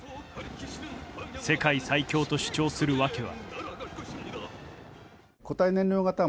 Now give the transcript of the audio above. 世界最強と主張する訳は。